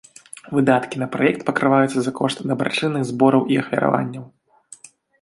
Выдаткі на праект пакрываюцца за кошт дабрачынных збораў і ахвяраванняў.